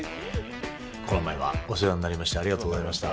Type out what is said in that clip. この前は、お世話になりましてありがとうございました。